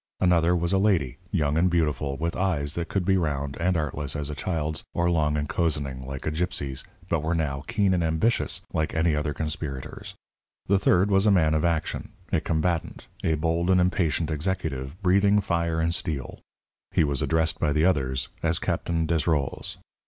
Another was a lady, young and beautiful, with eyes that could be round and artless, as a child's, or long and cozening, like a gypsy's, but were now keen and ambitious, like any other conspirator's. The third was a man of action, a combatant, a bold and impatient executive, breathing fire and steel. He was addressed by the others as Captain Desrolles.